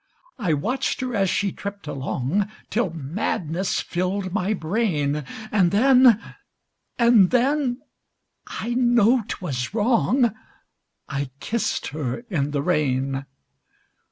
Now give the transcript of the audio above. I watched her as she tripped along Till madness filled my brain, And then and then I know 'twas wrong I kissed her in the rain!